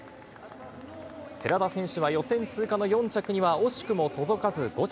寺田選手は予選通過の４着には惜しくも届かず、５着。